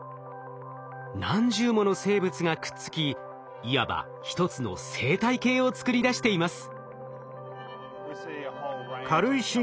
何十もの生物がくっつきいわばひとつの生態系を作り出しています。